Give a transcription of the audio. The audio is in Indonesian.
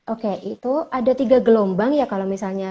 oke itu ada tiga gelombang ya kalau misalnya